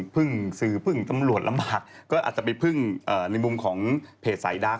พึ่งสื่อพึ่งตำรวจลำบากก็อาจจะไปพึ่งในมุมของเพจสายดัก